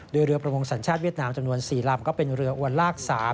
โดยเรือประมงสัญชาติเวียดนามจำนวน๔ลำก็เป็นเรืออวนลาก๓